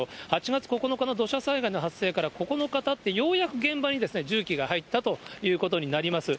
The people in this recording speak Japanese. ８月９日の土砂災害の発生から９日たって、ようやく現場に重機が入ったということになります。